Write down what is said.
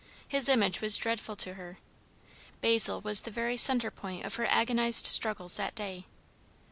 His image was dreadful to her. Basil was the very centre point of her agonized struggles that day.